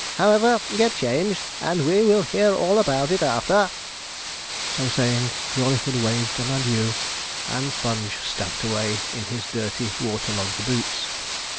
However, get changed, and we will hear all about it after.' So saying, Jawleyford waved an adieu, and Sponge stamped away in his dirty water logged boots.